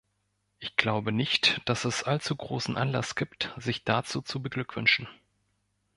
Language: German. Ich glaube nicht, dass es allzu großen Anlass gibt, sich dazu zu beglückwünschen.